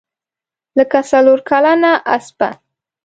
لکه څلورکلنه اسپه.